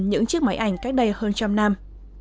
những chiếc máy ảnh cách đây hơn trăm năm